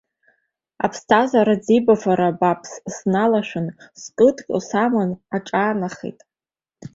Аԥсҭазаара ӡеибафара бааԥс сналашәан, скыдҟьо сама аҿаанахеит.